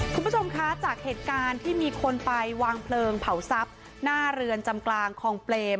คุณผู้ชมคะจากเหตุการณ์ที่มีคนไปวางเพลิงเผาทรัพย์หน้าเรือนจำกลางคลองเปรม